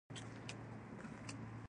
مالیه ورکونکي د خپلو پیسو حساب غواړي.